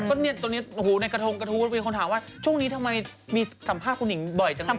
ก็เนี้ยตัวเนี้ยโอ้โหในกระทงกระทูมันมีคนถามว่าช่วงนี้ทำไมมีสัมภาษณ์คุณนิ่งบ่อยจังไงครับ